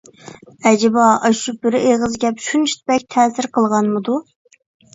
ئەجەبا ئاشۇ بىر ئېغىز گەپ شۇنچە بەك تەسىر قىلغانمىدۇ؟